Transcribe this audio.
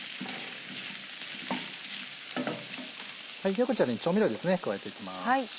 ではこちらに調味料ですね加えていきます。